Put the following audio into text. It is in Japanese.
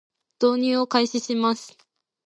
進入を開始します